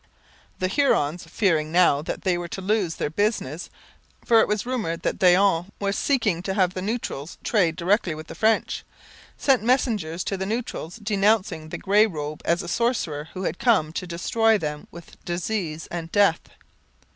The Hurons, fearing now that they were about to lose their business for it was rumoured that Daillon was seeking to have the Neutrals trade directly with the French sent messengers to the Neutrals denouncing the grey robe as a sorcerer who had come to destroy them with disease and death.